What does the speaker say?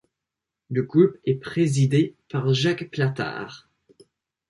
Le groupe est présidé par Jacques Plattard.